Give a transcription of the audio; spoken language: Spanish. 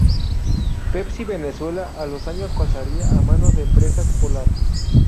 Pepsi Venezuela a los años pasaría a manos de Empresas Polar.